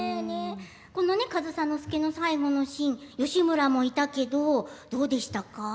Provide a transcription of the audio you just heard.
この上総介の最期のシーン義村もいたけどどうでしたか。